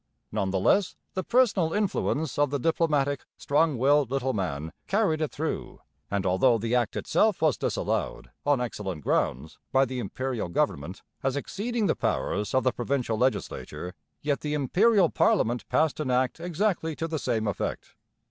None the less, the personal influence of the diplomatic, strong willed little man carried it through; and although the Act itself was disallowed, on excellent grounds, by the Imperial government, as exceeding the powers of the provincial legislature, yet the Imperial parliament passed an Act exactly to the same effect.